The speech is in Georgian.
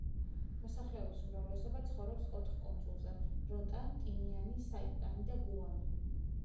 მოსახლეობის უმრავლესობა ცხოვრობს ოთხ კუნძულზე: როტა, ტინიანი, საიპანი და გუამი.